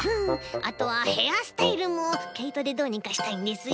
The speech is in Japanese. あとはヘアスタイルもけいとでどうにかしたいんですよね。